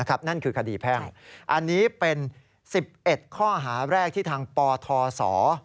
อันนี้เป็น๑๑ข้อหาแรกที่ทางปศ